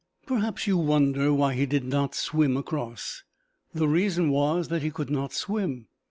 Perhaps you wonder why he did not swim across. The reason was that he could not swim.